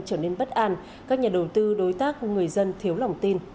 trở nên bất an các nhà đầu tư đối tác người dân thiếu lòng tin